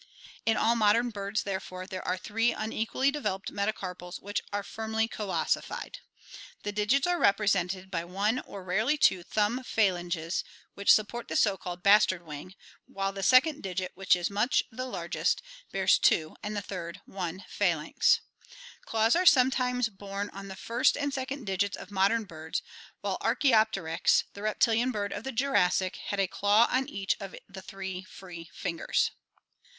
In all modern birds, therefore, there are three un equally developed metacarpals which are firmly coossified. The digits are represented by one or rarely two thumb phalanges which support the so called bastard wing, while the second digit which is much the largest bears two, and the third, one phalanx. Claws are sometimes borne on the first and second digits of modern birds, while Archaopteryx(Fig. 87^.), the reptilian bird of the Jurassic, had a claw on each of the three free fingers.